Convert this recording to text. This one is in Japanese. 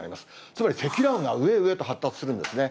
つまり積乱雲が上へ上へと発達するんですね。